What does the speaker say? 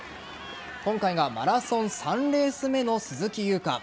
今回がマラソン３レース目の鈴木優花。